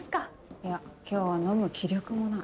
いや今日は飲む気力もない。